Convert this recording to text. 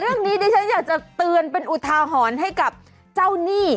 แต่เรื่องนี้เนี่ยฉันอยากจะเตือนเป็นอุทาหอนให้กับเจ้านี่